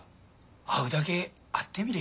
会うだけ会ってみれ。